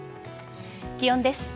気温です。